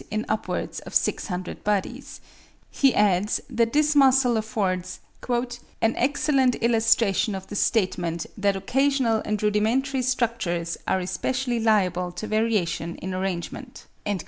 in upwards of 600 bodies: he adds, that this muscle affords "an excellent illustration of the statement that occasional and rudimentary structures are especially liable to variation in arrangement."